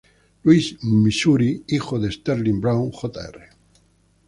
Louis, Missouri, hijo de Sterling Brown Jr.